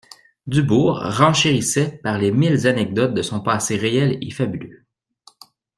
Dubourg renchérissait par les mille anecdotes de son passé réel et fabuleux.